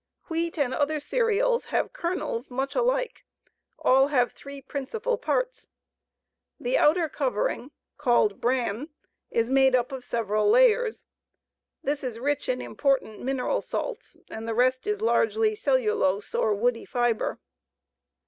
Wheat and other cereals have kernels much alike; all have three principal parts: The outer covering, called bran, is made up of several layers. This is rich in important mineral salts, and the rest is largely cellulose, or woody fibre.